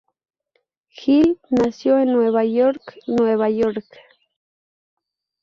Gill nació en Nueva York, Nueva York.